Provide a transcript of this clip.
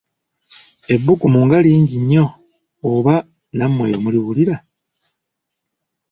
Ebbugumu nga lingi nnyo oba nammwe eyo muliwulira?